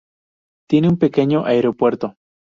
Tiene un pequeño aeropuerto.